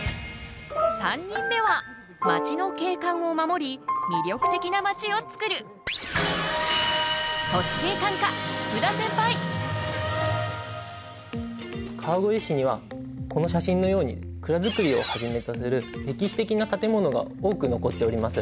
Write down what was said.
３人目はまちの景観を守り魅力的なまちをつくる川越市にはこの写真のように蔵造りをはじめとする歴史的な建物が多く残っております。